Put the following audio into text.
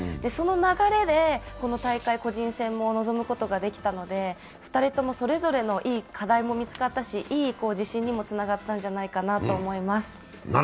その流れで、この大会、個人戦も臨むことができたので、２人とも、それぞれのいい課題も見つかったし、いい自信にもつながったんじゃないかと思います。